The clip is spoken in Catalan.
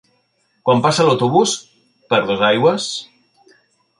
Quan passa l'autobús per Dosaigües?